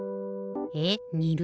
えっにる？